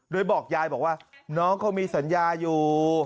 โดยบอกยายบอกว่าน้องเขามีสัญญาอยู่